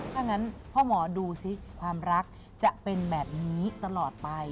ถ้างั้นพ่อหมอดูซิความรักจะเป็นแบบนี้ตลอดไป